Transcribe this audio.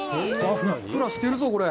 ふっくらしてるぞ、これ。